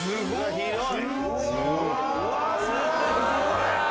・広い！